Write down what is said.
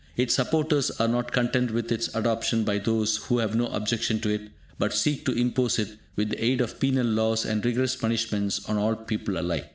Its supporters are not content with its adoption by those who have no objection to it, but seek to impose it with the aid of penal laws and rigorous punishments on all people alike.